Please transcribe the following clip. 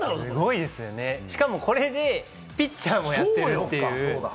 しかも、これでピッチャーもやってるって。